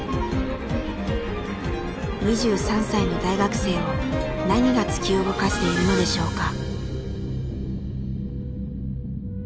２３歳の大学生を何が突き動かしているのでしょうか。